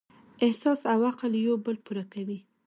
احساس او عقل یو بل پوره کوي.